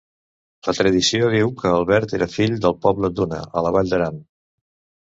La tradició diu que Albert era fill del poble d'Unha, a la Vall d'Aran.